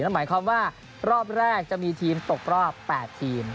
หมายความว่ารอบแรกจะมีทีมตกรอบ๘ทีม